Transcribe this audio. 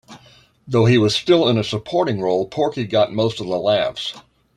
Though he was still in a supporting role, Porky got most of the laughs.